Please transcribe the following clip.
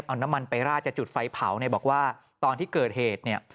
เอาน้ำมันไปราดจะจุดไฟเผาเนี่ยบอกว่าตอนที่เกิดเหตุเนี่ย